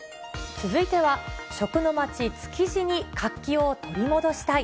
続いては、食の街、築地に活気を取り戻したい。